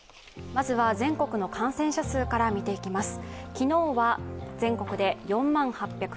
まずは全国の感染者数から見ていきます。